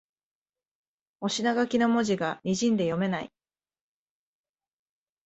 お品書きの文字がにじんで読めない